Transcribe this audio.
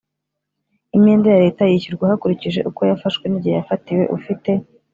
imyenda ya leta yishyurwa hakurikije uko yafashwe nigihe yafatiwe ufite